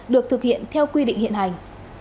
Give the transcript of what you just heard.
được thực hiện theo quy định hiện hành